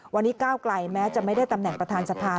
วันนี้ก้าวไกลแม้จะไม่ได้ตำแหน่งประธานสภา